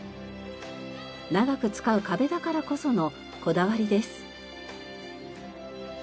長く使う壁だからこそのこだわりです。